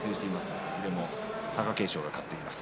いずれも大関が勝っています。